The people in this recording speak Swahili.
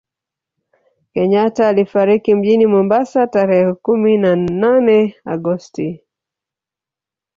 kenyatta alifariki mjini Mombasa tarehe kumi na nane agosti